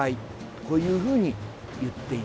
こういうふうにいっています。